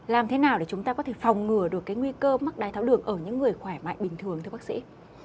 làm thế nào để chúng ta có thể phòng ngừa được cái nguy cơ mắc đái tháo đường ở những người khỏe mạnh bình thường thưa bác sĩ